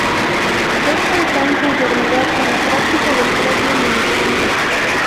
Esto está en conformidad con la práctica del propio manuscrito.